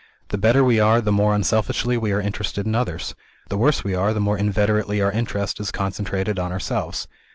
The better we are, the more unselfishly we are interested in others. The worse we are, the more inveterately our interest is concentrated on ourselves.